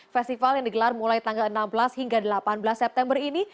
festival yang digelar mulai tanggal enam belas hingga delapan belas september ini